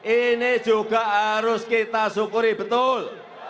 ini juga harus kita syukuri betul